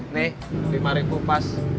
nih lima rebu pas